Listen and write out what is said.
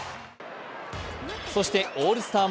そしてオールスター